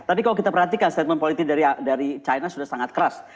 tadi kalau kita perhatikan statement politik dari china sudah sangat keras